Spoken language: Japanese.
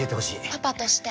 パパとして。